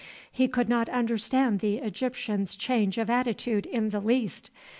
He could not understand the Egyptian's change of attitude in the least.